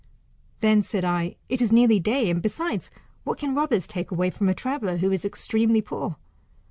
Then said I, It is nearly day ; and, besides, what can robbers take away from a traveller who is extremely poor?